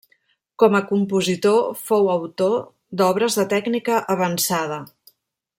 Com a compositor fou autor d'obres de tècnica avançada.